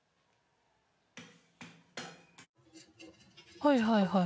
はいはいはい。